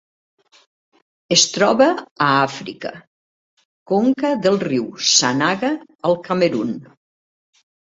Es troba a Àfrica: conca del riu Sanaga al Camerun.